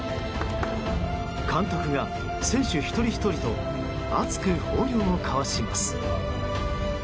監督が選手一人ひとりと熱く抱擁を交わします。